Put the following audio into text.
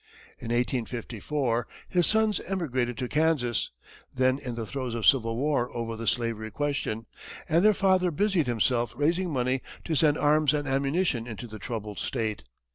In 1854, his sons emigrated to Kansas, then in the throes of civil war over the slavery question, and their father busied himself raising money to send arms and ammunition into the troubled state.